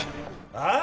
ああ！？